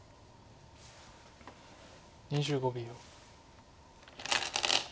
２５秒。